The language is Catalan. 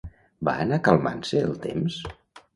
Va anar calmant-se el temps?